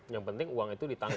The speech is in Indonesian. yang penting uang itu di tangan